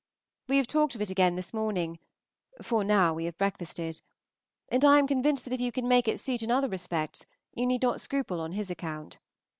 We have talked of it again this morning (for now we have breakfasted), and I am convinced that if you can make it suit in other respects you need not scruple on his account.